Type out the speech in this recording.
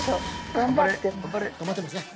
頑張ってます頑張ってますね